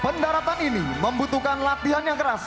pendaratan ini membutuhkan latihan yang keras